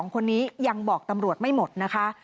๒คนนี้ยังบอกตำรวจไม่หมดนะคะ